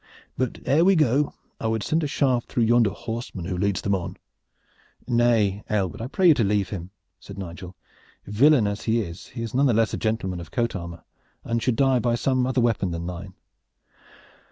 But ere we go I would send a shaft through yonder horseman who leads them on." "Nay, Aylward, I pray you to leave him," said Nigel. "Villain as he is, he is none the less a gentleman of coat armor, and should die by some other weapon than thine."